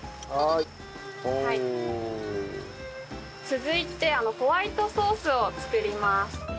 続いてホワイトソースを作ります。